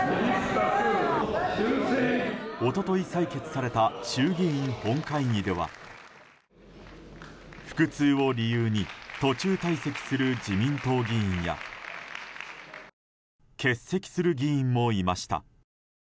一昨日、採決された衆議院本会議では腹痛を理由に途中退席する自民党議員や欠席する議員もいました。